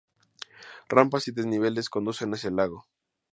Rampas y desniveles conducen hacia el lago.